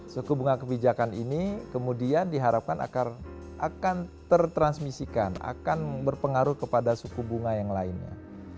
suku bunga kebijakan ini kemudian diharapkan akan tertransmisikan akan berpengaruh kepada suku bunga yang lainnya